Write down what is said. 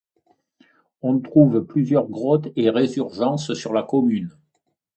On trouve plusieurs grottes et résurgences sur la commune.